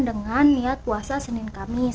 dengan niat puasa senin kamis